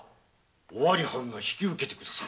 尾張藩が引き受けて下さる。